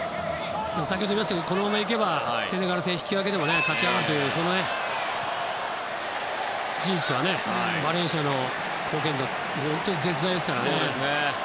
先ほども言いましたがこのまま行けばセネガル戦が引き分けでも勝ち上がるというそんな事実はバレンシアの貢献度は本当に絶大ですからね。